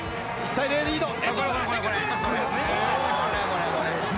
１対０リード。